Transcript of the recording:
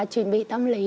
chuyển bị tâm lý